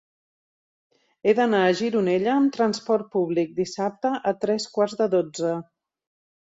He d'anar a Gironella amb trasport públic dissabte a tres quarts de dotze.